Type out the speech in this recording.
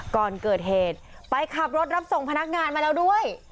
ก่อนเกิดเหตุไปขับรถรับส่งพนักงานมาแล้วด้วย